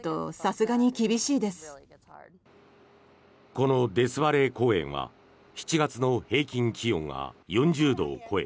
このデスバレー公園は７月の平均気温が４０度を超え